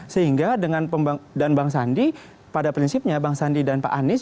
sehingga dan bang sandi pada prinsipnya bang sandi dan pak anies